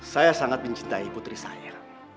saya sangat mencintai putri saya